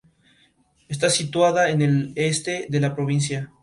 Está situada en el este de la provincia.